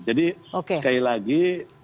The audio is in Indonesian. jadi sekali lagi